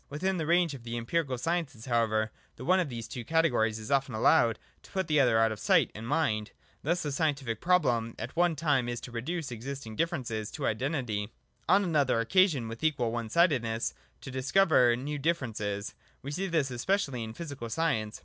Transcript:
Within the range of the empirical sciences however, the one of these two categories is often allowed to put the other out of sight and mind. Thus the scientific problem at one time is to reduce existing differences to identity ; on another occasion, with equal one sidedness, to discover new differ ences. We see this especially in physical science.